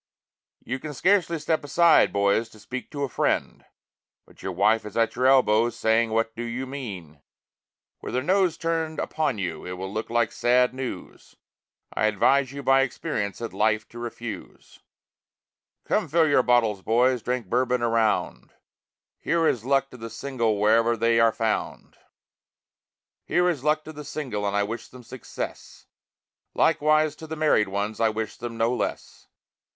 You can scarcely step aside, boys, to speak to a friend But your wife is at your elbow saying what do you mean. With her nose turned upon you it will look like sad news, I advise you by experience that life to refuse. Come fill up your bottles, boys, drink Bourbon around; Here is luck to the single wherever they are found. Here is luck to the single and I wish them success, Likewise to the married ones, I wish them no less.